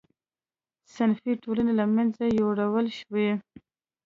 صنفي ټولنې له منځه یووړل شوې.